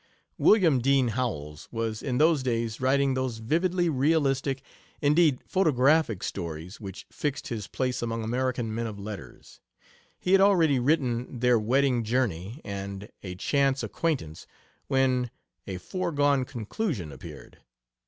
William Dean Howells was in those days writing those vividly realistic, indeed photographic stories which fixed his place among American men of letters. He had already written 'Their Wedding Journey' and 'A Chance Acquaintance' when 'A Foregone Conclusion' appeared.